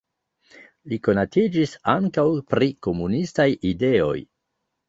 Li konatiĝis ankaŭ pri komunistaj ideoj.